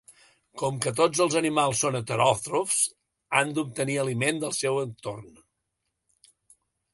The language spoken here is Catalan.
Com que tots els animals són heteròtrofs, han d'obtenir aliment del seu entorn.